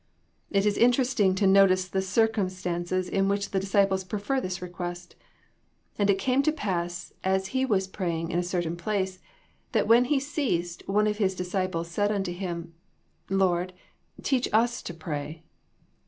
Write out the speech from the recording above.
It is interesting to notice the circumstances in which the disciples preferred this request. " And it came to pass, as He was praying in a certain place, that when He ceased, one of His disciples said unto Him, Lord, teach us to pray."